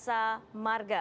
selamat malam ibu ira